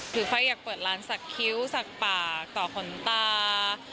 ไฟล์อยากเปิดร้านสักคิ้วสักปากต่อขนตา